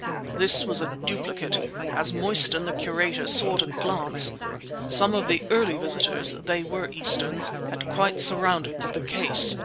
This was a duplicate, as Mostyn, the curator, saw at a glance! Some of the early visitors—they were Easterns—had quite surrounded the case.